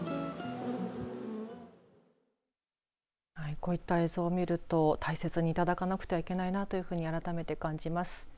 こういった映像を見ると大切にいただかなくてはいけないなと改めて感じます。